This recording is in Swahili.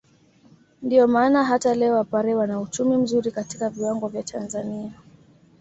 Ndio maana hata leo wapare wana uchumi mzuri katika viwango vya Tanzania